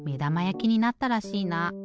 やきになったらしいな。